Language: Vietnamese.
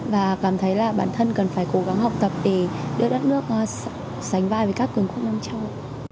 và cảm thấy là bản thân cần phải cố gắng học tập để đưa đất nước sánh vai với các cường quốc nam châu